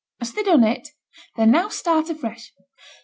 Hast thee done it? Then now start afresh.